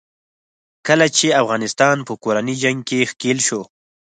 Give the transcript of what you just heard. کله چې افغانستان په کورني جنګ کې ښکېل شو.